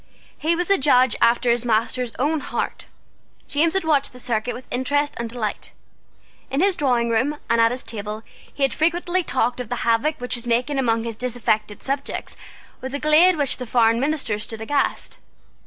He was a judge after his master's own heart. James had watched the circuit with interest and delight. In his drawingroom and at his table he had frequently talked of the havoc which was making among his disaffected subjects with a glee at which the foreign ministers stood aghast.